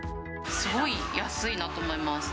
すごい安いなと思います。